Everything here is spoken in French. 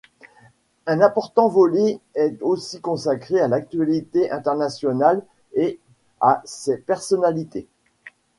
Un important volet est aussi consacré à l'actualité internationale et à ses personnalités.